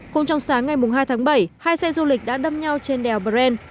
cùng trong sáng ngày hai tháng bảy hai xe du lịch đã đâm nhau trên đèo bren